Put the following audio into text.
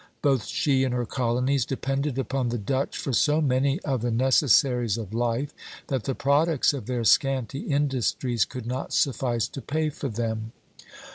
Both she and her colonies depended upon the Dutch for so many of the necessaries of life, that the products of their scanty industries could not suffice to pay for them.